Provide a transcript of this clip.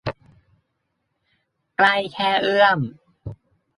ใกล้แค่เอื้อม